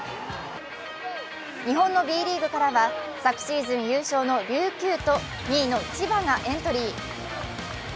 日本のＢリーグからは昨シーズン優勝の琉球と２位の千葉がエントリー。